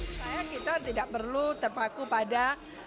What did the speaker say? saya kira kita tidak perlu terpaku pada